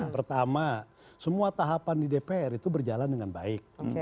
pertama semua tahapan di dpr itu berjalan dengan baik